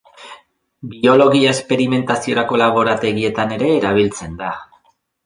Biologia-esperimentaziorako laborategietan ere erabiltzen da.